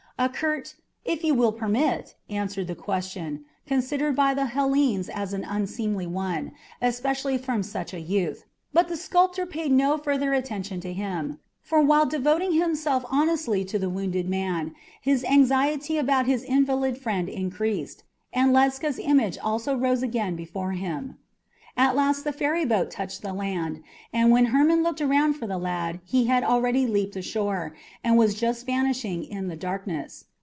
A curt "If you will permit," answered the question, considered by the Hellenes an unseemly one, especially from such a youth; but the sculptor paid no further attention to him, for, while devoting himself honestly to the wounded man, his anxiety about his invalid friend increased, and Ledscha's image also rose again before him. At last the ferryboat touched the land, and when Hermon looked around for the lad he had already leaped ashore, and was just vanishing in the darkness.